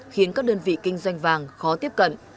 khiến các đơn vị kinh doanh vàng khó tiếp cận